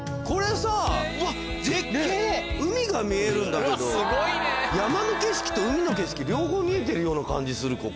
これさ海が見えるんだけど山の景色と海の景色両方見えてるような感じする